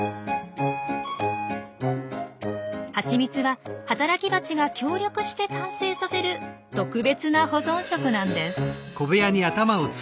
ハチミツは働きバチが協力して完成させる特別な保存食なんです。